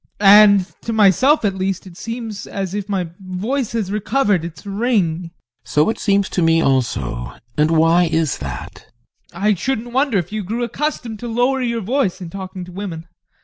And to myself at least it seems as if my voice had recovered its ring. GUSTAV. So it seems to me also. And why is that? ADOLPH. I shouldn't wonder if you grew accustomed to lower your voice in talking to women.